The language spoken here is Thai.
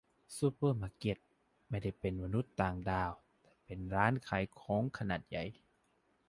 ซูเปอร์มาร์เก็ต ไม่ได้เป็นมนุษย์ต่างดาว แต่เป็นร้านขายของขนาดใหญ่